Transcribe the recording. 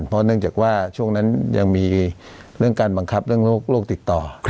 เพราะเนื่องจากว่าช่วงนั้นยังมีเรื่องการบังคับเรื่องโรคติดต่อ